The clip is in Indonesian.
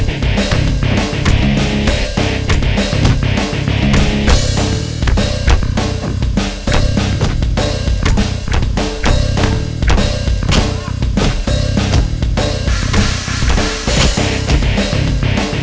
ada anak anak yang gak bisa berhenti